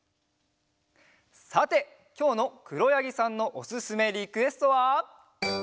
さてきょうのくろやぎさんのおすすめリクエストは。